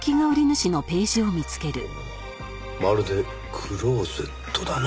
まるでクローゼットだな。